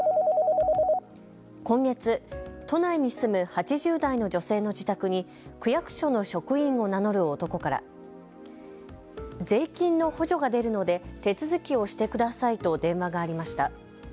今月、都内に住む８０代の女性の自宅に区役所の職員を名乗る男から税金の補助が出るので手続きをしてくださいと電話がありました。